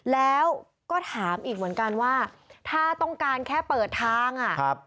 แล้วก็ถามอีกเหมือนกันว่าถ้าต้องการแค่เปิดทางอ่ะครับ